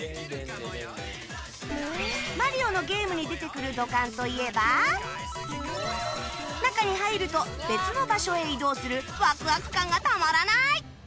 『マリオ』のゲームに出てくる土管といえば中に入ると別の場所へ移動するワクワク感がたまらない！